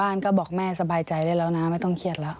บางที่ก็ผู้ที่ผู้เสียหายที่มาแจ้งเนี่ยก็ไม่มาทำมาให้ปากคำอะไรก็ไม่มาเลย